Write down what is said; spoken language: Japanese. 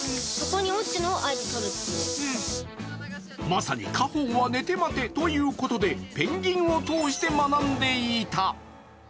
まさに果報は寝て待てということでペンギンを通して学んでいた。